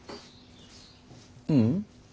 ううん。